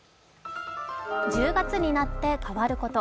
１０月になって変わること。